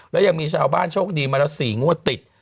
แล้วยังมีชาวบ้านโชคดีมาแล้ว๔งวดติด